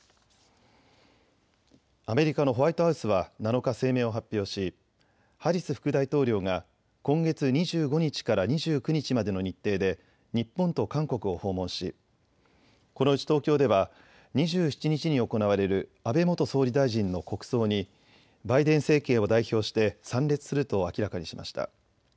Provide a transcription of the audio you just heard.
アメリカのホワイトハウスは７日声明を発表しハリス副大統領が今月２５日から２９日までの日程で日本と韓国を訪問し、このうち東京では２７日に行われる安倍元総理大臣の国葬にバイデン政権を代表して参列すると明らかにしました。